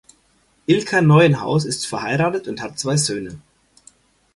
Ilka Neuenhaus ist verheiratet und hat zwei Söhne.